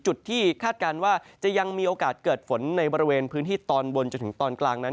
จุดที่คาดการณ์ว่าจะยังมีโอกาสเกิดฝนในบริเวณพื้นที่ตอนบนจนถึงตอนกลางนั้น